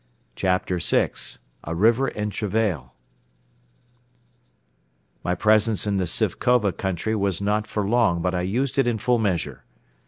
CHAPTER VI A RIVER IN TRAVAIL My presence in the Sifkova country was not for long but I used it in full measure.